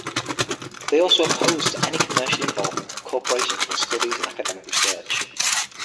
They also oppose to any commercial involvement of corporations within studies and academic research.